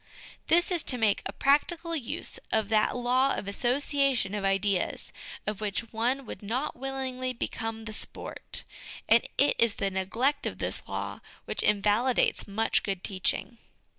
This is to make a practical use of that law of asso ciation of ideas of which one would not willingly become the sport ; and it is the neglect of this law which invalidates much good teaching.